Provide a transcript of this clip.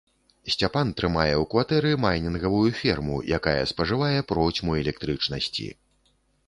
Сцяпан трымае ў кватэры майнінгавую ферму, якая спажывае процьму электрычнасці.